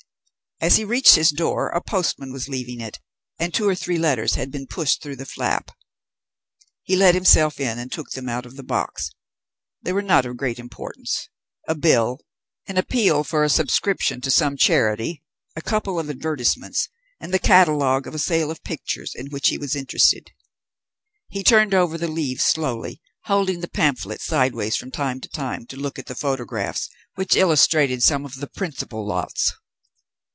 As he reached his door, a postman was leaving it, and two or three letters had been pushed through the flap. He let himself in and took them out of the box. They were not of great importance. A bill, an appeal for a subscription to some charity, a couple of advertisements and the catalogue of a sale of pictures in which he was interested. He turned over the leaves slowly, holding the pamphlet sideways from time to time to look at the photographs which illustrated some of the principal lots.